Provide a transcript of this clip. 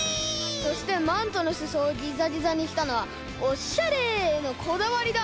そしてマントのすそをギザギザにしたのはオッシャレへのこだわりだ！